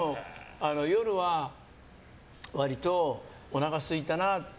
夜は割とおなかすいたなって